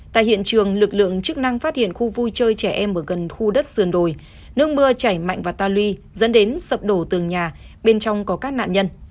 tại hiện trường lực lượng chức năng phát hiện khu vui chơi trẻ em ở gần khu đất sườn đồi nước mưa chảy mạnh vào ta luy dẫn đến sập đổ tường nhà bên trong có các nạn nhân